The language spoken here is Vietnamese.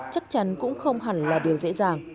chắc chắn cũng không hẳn là điều dễ dàng